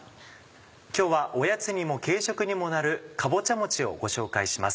今日はおやつにも軽食にもなる「かぼちゃもち」をご紹介します。